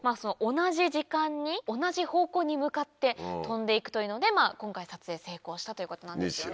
同じ時間に同じ方向に向かって飛んで行くというので今回撮影成功したということなんです。